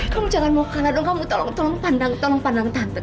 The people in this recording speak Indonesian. kamu jangan mau kalah dong kamu tolong pandang tante